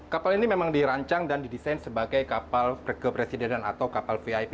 kapal ini memang dirancang dan didesain sebagai kapal kepresidenan atau kapal vip